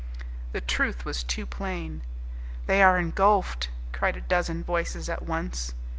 The truth was too plain. "They are engulfed!" cried a dozen voices at once.